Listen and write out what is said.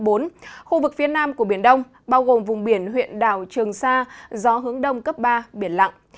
khu vực phía nam của biển đông bao gồm vùng biển huyện đảo trường sa gió hướng đông cấp ba biển lặng